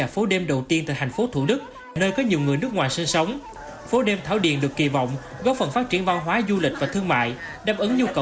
phố đêm thảo điền được hướng tới là không gian văn hóa tại tp thủ đức